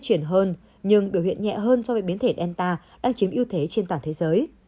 chuyển hơn nhưng biểu hiện nhẹ hơn so với biến thể elta đang chiếm ưu thế trên toàn thế giới